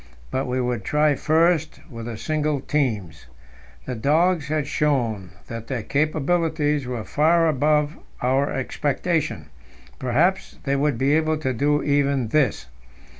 But we would try first with the single teams. The dogs had shown that their capabilities were far above our expectation; perhaps they would be able to do even this.